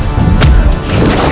ayo kita segera kesana